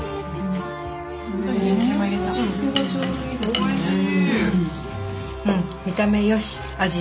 おいしい！